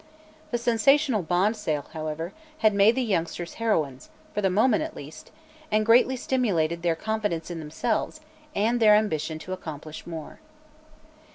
The sensational bond sale, however, had made the youngsters heroines for the moment, at least and greatly stimulated their confidence in themselves and their ambition to accomplish more.